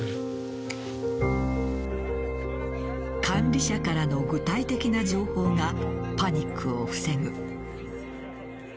管理者からの具体的な情報がパニックを防ぐ。